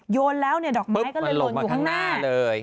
โยนแล้วเนี่ยดอกไม้ก็เลยหล่นอยู่ข้างหน้าเลย